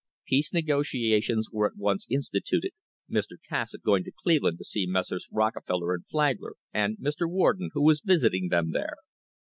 Peace negotiations were at once instituted, Mr. Cassatt going to Cleveland to see Messrs. Rockefeller and Flagler, and Mr. Warden, who was visiting them there.